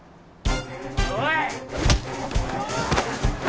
・おい！